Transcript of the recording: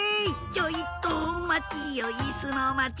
「ちょいとおまちよいすのまち」